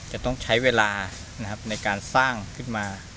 จะต้องใช้เวลาในการสร้างขึ้นมา